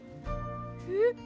えっ？